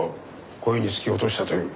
故意に突き落としたという。